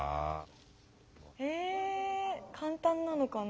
えぇ簡単なのかな。